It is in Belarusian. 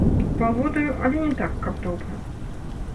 Валодаю, але не так, каб добра.